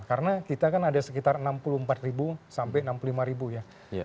karena kita kan ada sekitar enam puluh empat sampai enam puluh lima ya